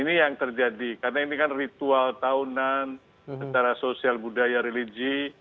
ini yang terjadi karena ini kan ritual tahunan secara sosial budaya religi